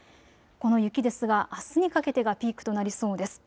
この雪ですが、あすにかけてがピークとなりそうです。